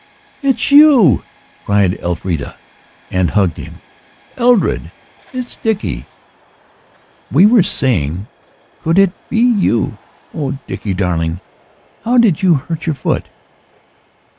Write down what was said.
"It is you!" cried Elfrida, and hugged him. "Edred, it is Dickie! We were saying, could it be you? Oh! Dickie darling, how did you hurt your foot?"